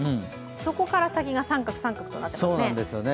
そこから先が△、△となっていますね。